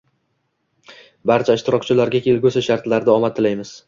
Barcha ishtirokchilarga kelgusi shartlarda omad tilaymiz.